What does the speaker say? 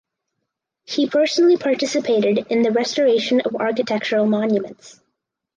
He personally participated in the restoration of architectural monuments.